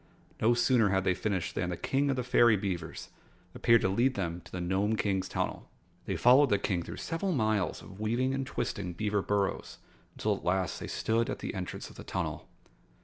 No sooner had they finished than the King of the Fairy Beavers appeared to lead them to the Nome King's tunnel. They followed the King through several miles of weaving and twisting beaver burrows, until at last they stood at the entrance of the tunnel.